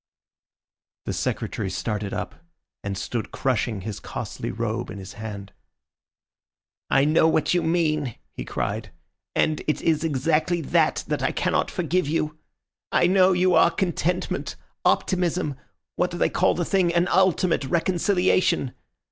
The Secretary started up, and stood crushing his costly robe in his hand. "I know what you mean," he cried, "and it is exactly that that I cannot forgive you. I know you are contentment, optimism, what do they call the thing, an ultimate reconciliation.